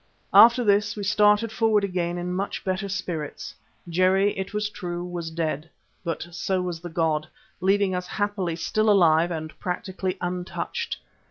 After this we started forward again in much better spirits. Jerry, it was true, was dead, but so was the god, leaving us happily still alive and practically untouched.